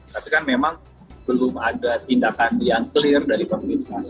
tapi kan memang belum ada tindakan yang clear dari pemerintah